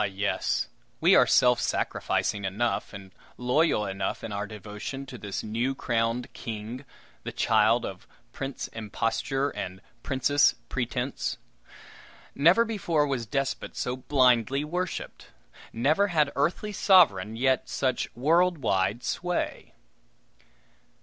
yes, we are self sacrificing enough, and loyal enough in our devotion to this new crowned king, the child of Prince Imposture and Princess Pretense. Never before was despot so blindly worshiped! Never had earthly sovereign yet such world wide sway!